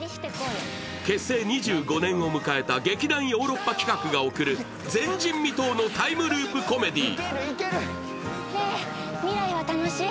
結成２５年を迎えた劇団ヨーロッパ企画が贈る前人未到のタイムループコメディー。